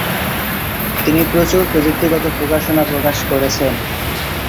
তিনি প্রচুর প্রযুক্তিগত প্রকাশনা প্রকাশ করেছেন।